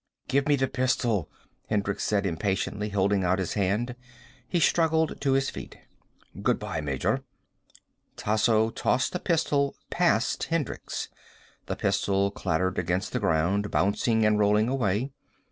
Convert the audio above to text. "Give me the pistol," Hendricks said impatiently, holding out his hand. He struggled to his feet. "Good bye, Major." Tasso tossed the pistol past Hendricks. The pistol clattered against the ground, bouncing and rolling away.